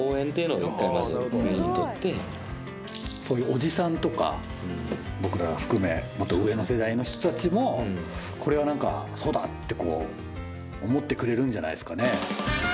おじさんとか僕ら含めもっと上の世代の人たちもこれはそうだって思ってくれるんじゃないっすかね。